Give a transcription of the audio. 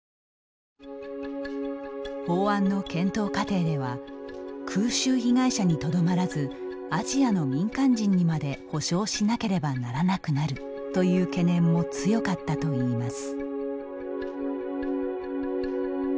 法案の検討過程では「空襲被害者にとどまらずアジアの民間人にまで補償しなければならなくなる」という懸念も強かったといいます。